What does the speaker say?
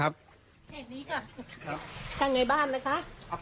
ครับผม